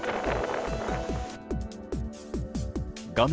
画面